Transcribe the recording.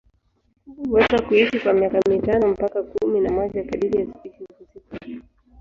Kuku huweza kuishi kwa miaka mitano mpaka kumi na moja kadiri ya spishi husika.